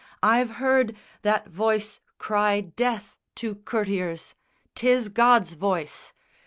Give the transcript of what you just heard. I've heard That voice cry death to courtiers. 'Tis God's voice.